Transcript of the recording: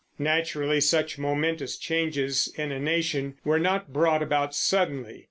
Naturally such momentous changes in a nation were not brought about suddenly.